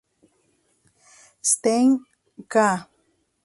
Stein; "ca.